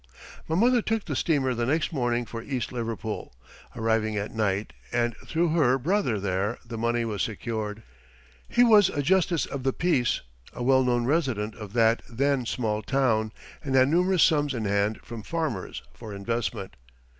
My mother took the steamer the next morning for East Liverpool, arriving at night, and through her brother there the money was secured. He was a justice of the peace, a well known resident of that then small town, and had numerous sums in hand from farmers for investment.